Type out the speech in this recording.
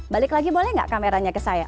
balik lagi boleh nggak kameranya ke saya